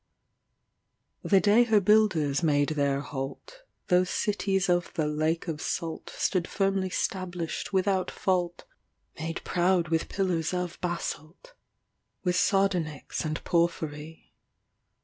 The day her builders made their halt, Those cities of the lake of saltStood firmly 'stablished without fault, Made proud with pillars of basalt, With sardonyx and porphyry.